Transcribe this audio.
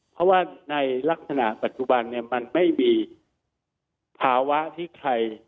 เพราะว่าในลักษณะปัจจุบันเนี่ยมันไม่มีภาวะที่ใคร